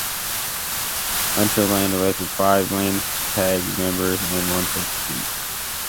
Unterland elected five Landtag members and one substitute.